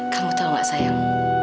kamu tau gak sayang